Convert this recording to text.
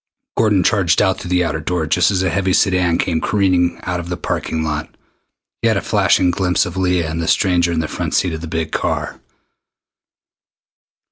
Gordon charged on through the outer door just as a heavy sedan came careening out of the parking lot. He had a flashing glimpse of Leah and the stranger in the front seat of the big car.